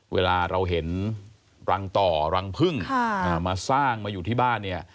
เวลาเราเห็นรังต่อรังพึ่งมาสร้างมาอยู่ที่บ้านเนี่ย